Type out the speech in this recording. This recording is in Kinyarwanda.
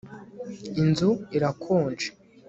Inzu irakonje